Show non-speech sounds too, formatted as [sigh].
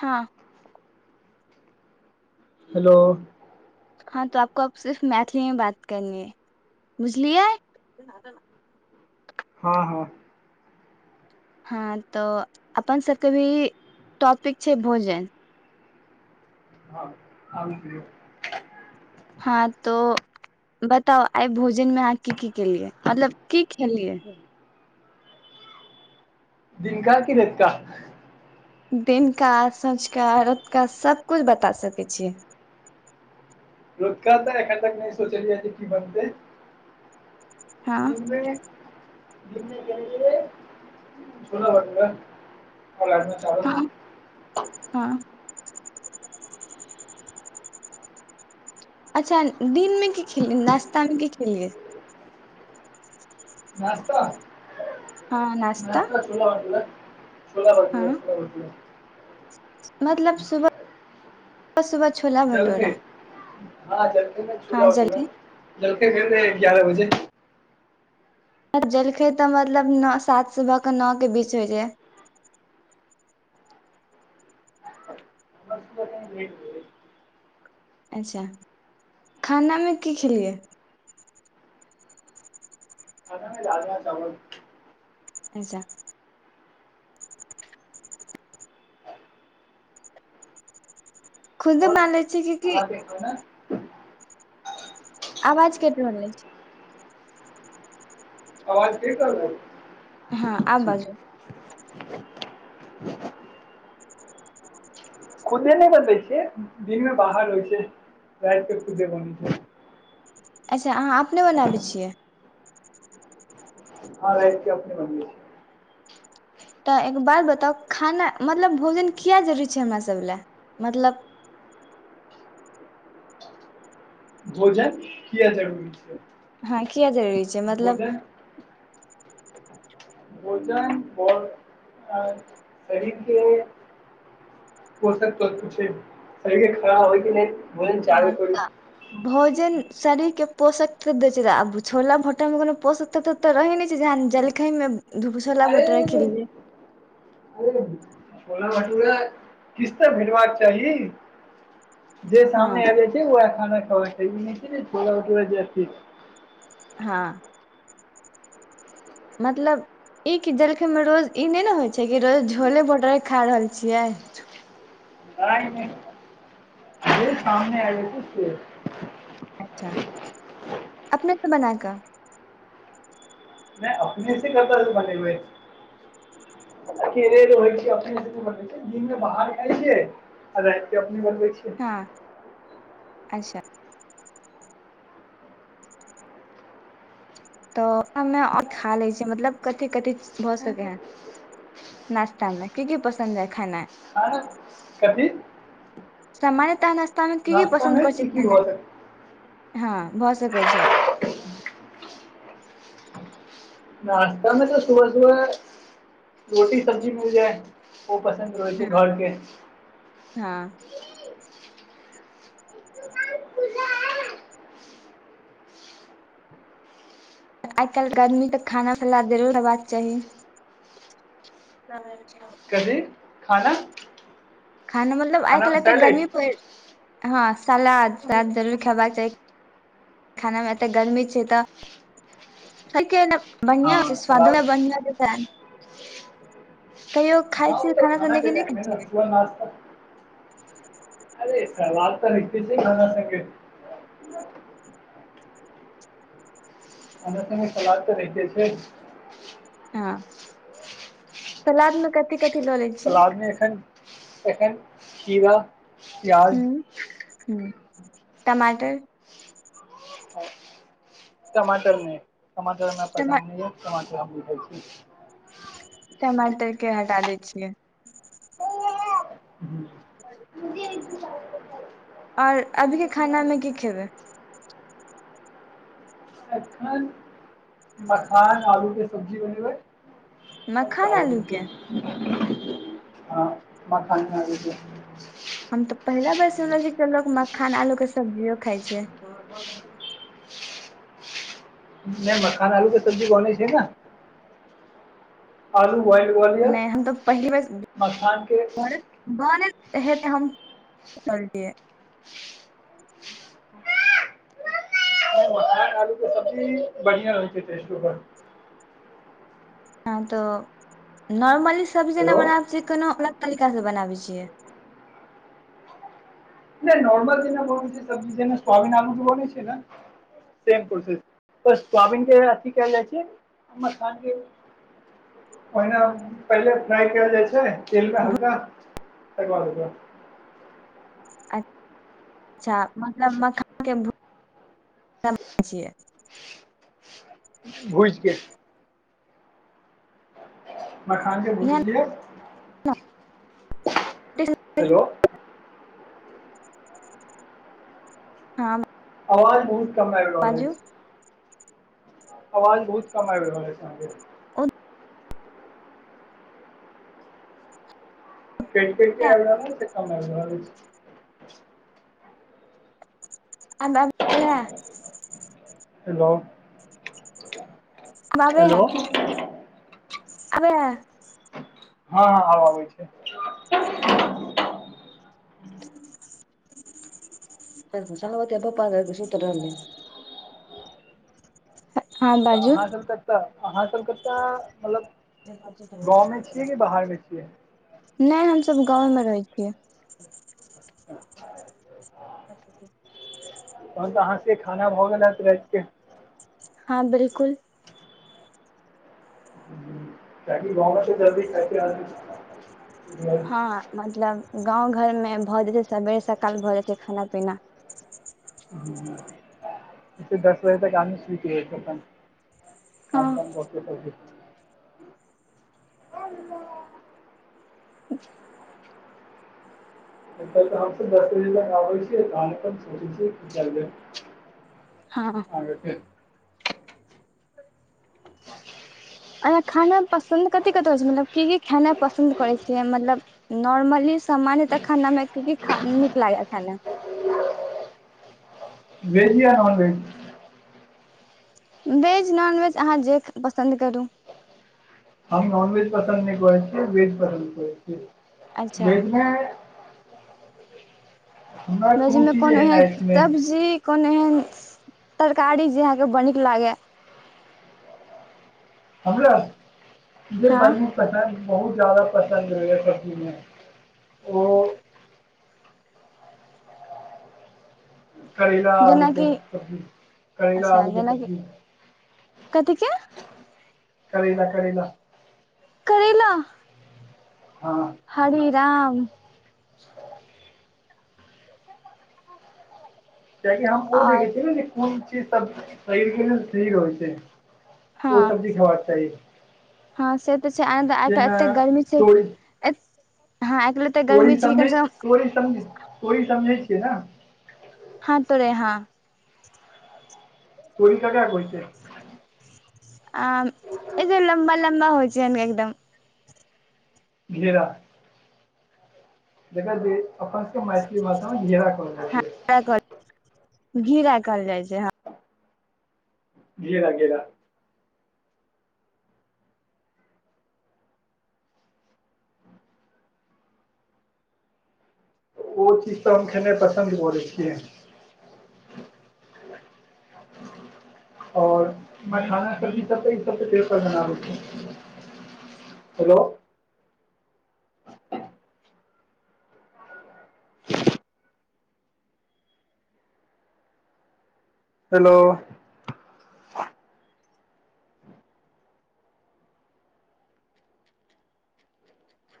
हँ हेलो हँ तऽ आपको अब से मैथिलथीमे बात करनी बुझलियै हँ - हँ हँ तो अपन सब केँ भी टॉपिक छै भोजन [unintelligible] हँ तो बताउ आइ भोजन मे अहाँ की की केलियै मतलब की खेलियै दिनका की राइतका दिनका सँझका रौतुका सब कुछ बता सकै छियै रौतका तऽ एखन तक नहि सोचलिय की बनतै हँ मे-मे [unintelligible] हाँ अच्छा दिनमे की खेलयै नाश्तामे की खेलियै नश्तामे हँ नाश्ता नश्ता छोला भटोरा छोला हँ भटोरा छोला भटोरा मतलब सुबह सुबह छोला जलखै भटूरा हाँ जलखैमे हँ छोला भटोरा जलखै जलखै केने रहियै ग्यारह बजे जेलखै तऽ मतलब नौ सात सुबहके नौऽके बीच होइ या हमरा सुबह कनि भेट होइ अच्छा खानामे की खेलियै खानामे राजमा चावल अच्छा खुदे आओर बनालेब अहाँके कहने आवाज केटि रहलअछि आवाज केटि रहल ऐय हाँ आब बाजू खुदे नहि बनबै छियै दिनमे बाहर रहै छियै रातिक खुदे बनबै छियै अच्छा अहाँ अपने बनाबै छियै हाँ रातिक अपने बनबै छियै तऽ एक बाद बताउ खाना मतलब भोजन किया जरुरी छै हमरा सब लाए मतलब भोजन किया जरुरी छै हाँ किया जरूरी छै मतलब भोजन भोजन आओर आ शरीरके पोषक तत्व छै एहिके खराब होइके नहि आच्छा भोजन शरीरके पोषक तत्व दैय छलाह आब छोला भटोरामे कोनो पोषक तऽ- तऽ रहै नै छै जे जलखैमे छोला अरे भटोरा अरे खेलियै [unintelligible] छोला भटोरा किछ तऽ भेटबाक चाही जे हँ सामने आबि जाइ छै जे ओहा खाना खेबाक चाही ई नै छै जे छोला भटोरा जाह चीज हाँ मतलब ई कि जलखैमे रोज ई नै ने होइ छै की रोज छोले भटोरे खा रहल छियै नहि नहि जे सामने आयब जेतै से अच्छा अपनेसँ बना कऽ नहि अपने सऽ कतहसँ बनेबै देखियौ रातिमे अपने सऽ बनबै छियै दिनमे बाहर खाइ छियै आ राति कऽ अपने बनबै छियै हाँ अच्छा तऽ हमे आओर खा लै छियै मतलब कि कथि कथि भऽ सकै हाऽ नास्तामे कि कि पसन्द अई खाना खाना कथी सामान्यतः नश्तामे की की पसन्द नाश्तामे करैत छै की की भऽ सकै खेनाइ हँ भऽ सकैत छै नाश्ता में तो सुबह सुबह रोटी सब्जी मिल जाए ओ पसन्द रहै छै हँ घरके हँ आइ काल्हिके आदमी तऽ खाना ख् जरूर होेबाक चाही [unintelligible] कथी खाना खाना मतलब आइ काल्हि खानामे एते सैलेड गर्मी प हँ सलाद साद जरूर खेबाक चाही खाना मे एते गर्मी छै तऽ हँ बढ़िआँ छै स्वाद सलाद मे बढ़िआँत डिटेन खाइ हँ ओ छियै तऽ खाना सने कि के नहि खाइ टाइममे न छियै सुबह नश्ता अरे सलाद तऽ हैते छै खाना संगे [unintelligible] सलाद तऽ रहिते छै हँ सलाद मे कथि कथि लऽ लै छियै सलाद मे एखन एखन खीरा हू प्याज हुँ टमाटर टमाटरमे टमाटर हमरा टमा पसन्द नहि ये टमाटर हम नै खाई छी टमाटर के हटा दै छियै हुँ [unintelligible] आओर अभी के खाना मे की खेबै एखन मखान आलू के सब्जी बनेबै और मखान चावल आलू के रोटी हाँ माखन आलू के हम तऽ पहिला बेर सुनले छी लोको मखान आलू के सब्जियो खाइ छै नय मखान आलू के सब्जी बनै छै ने आलू बोइल कऽ लिय नहि हम तऽ पहिली बेर मखान के बने हेत हम [unintelligible] करलियै ह आलू के सब्जी बढ़िआं होइ छै टेस्ट ओकर हँ तऽ नॉर्मली सब्जी जेना हेलो बनाबै छिय कोनो अलग तरीकासँ बनाबै छियै। नहि नोर्मल जेना बनाई छै सब्जी जे सोबीन आलू क बने छै ने शामे प्रोसेस बस सोयाबीन के अथि केल जाइ छै और माखन के ओहिना पहिले फ्राई कयल जाइ छै तेल मे हल्का तैकेबाद अच्छा मतलब मखानके [unintelligible] भुजके मखान के इहे भूजलियै हेलो हँ अवाज बहुत कम आयब रहल अइछ बाजू आवाज बहुत कम आबि रहल अछि आहाके ओ कैट कटके आब रहल ऐच से समझ नै अबै छै [unintelligible] हेलो आबै हेलो। है [unintelligible] हऽ हऽ आब आबै छै। हऽ [inaudible] [unintelligible] बपा सुत रह लै। तऽ बाजू अहाँ सब तऽ तऽ अहाँ सब कऽ तऽ मतलब। गाँव म छियै कि बाहर म छियै। नै हम सब गाँव मे रहै छियै। [unintelligible] तहन तऽ अहाँ से केँ खाना भऽ गेल हैत राइत केँ हँ बिल्कुल। [unintelligible] हँ मतलब गाँव घर में भऽ जाइ छै सबेर सकाल भऽ जाइ छै खाना पीना। [inaudible] से दस बजे तक आदमी सुत रहै छै अपन। हँ काम ताम कऽ केँ एत तऽ हम सब दस बजे तक आबै छियै तऽ सोचै छियै की करबै हऽ अच्छ ठीक [unintelligible] अहाँ खाना पसन्द कथी कत स भैलै की की खैनै पसन्द करै छियै मतलब। नॉर्मली सामान्य तऽ खाना म की की नीक लागै खै में [unintelligible] वेज या नॉन वेज। वेज नॉनवेज अहाँ जे पसन्द करू। हम नॉन वेज पसन्द नै करै छियै वेज पसन्द करै छियै अच्छा वेज में वेज में चीज कोनो एहन एहेन अछि नहि सब्जी कोनो एहेन तरकारी जे यहाँ केँ बड़ निक लागे है हमरा [inaudible] जे हँ बनी पसन्द बहुत ज्यादा पसन्द रहे यऽ सब्जी में [inaudible] ओ। करैला आलू केँ जेनाकि सब्जी [inaudible] करेला अच्छा आलू कऽ जेनाकि सब्जी। कथी केँ करैला करैला करैेला हऽ हरि राम। किया कि हम ओ देखै आओर छियै न जे कोन चीज सब शरीर केँ ठीक होइ छै। ओ हँ सब्जी खैबा चाही। हँ से तऽ छै आइ [unintelligible] जेना एते गर्मी छै तोरी हँ आइ एते गर्मी तोरी छै कि कम समझै से कम तोरी समझ तोरी समझै छिय न। हँ तोरे हँ। [unintelligible] तोरी केकरा कहै छै। आ एजे लम्बा लम्बा होइ छै हन एकदम। घेरा। जेकरा जे अपन सब केँ मैथिली भाषा में घेरा कहल जाइ छै। [unintelligible] घिरा कहल जाइ छै हऽ। घेरा घेरा ओ चीज तऽ हम खेना पसन्द कऽ लिए छियै। और मै खाना कऽ भी [unintelligible] हेलो [unintelligible] हेलो